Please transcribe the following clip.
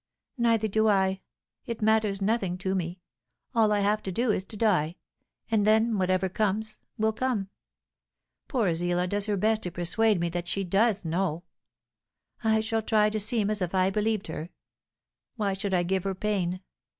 "Neither do I. It matters nothing to me. All I have to do is to die, and then whatever comes will come. Poor Zillah does her best to persuade me that she does know. I shall try to seem as if I believed her. Why should I give her pain?